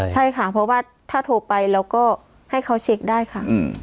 ใช่ค่ะเพราะว่าถ้าโทรไปเราก็ให้เขาเช็คได้ค่ะ